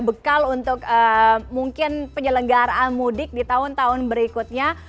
bekal untuk mungkin penyelenggaraan mudik di tahun tahun berikutnya